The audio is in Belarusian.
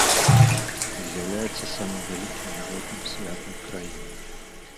З'яўляецца самым вялікім народным святам краіны.